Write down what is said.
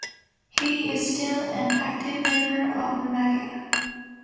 He is still an active member of the Maggia.